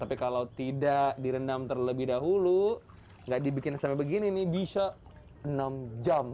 tapi kalau tidak direndam terlebih dahulu nggak dibikin sampai begini nih bisa enam jam